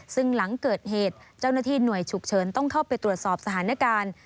ซึ่งหลังเกิดเหตุเจ้าหน้าที่หน่วยฉุกเฉินต้องเข้าไปตรวจสอบสถานการณ์